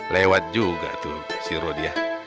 lewat juga tuh si rodi ya